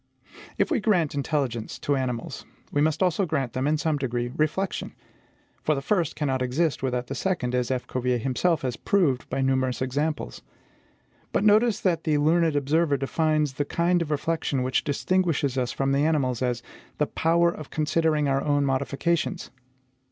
If we grant intelligence to animals, we must also grant them, in some degree, reflection; for, the first cannot exist without the second, as F. Cuvier himself has proved by numerous examples. But notice that the learned observer defines the kind of reflection which distinguishes us from the animals as the POWER OF CONSIDERING OUR OWN MODIFICATIONS.